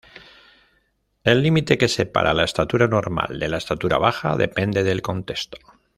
El límite que separa la estatura normal de la estatura baja depende del contexto.